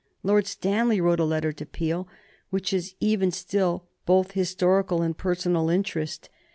Lord Stanley wrote a letter to Peel which has even still both historical and personal interest.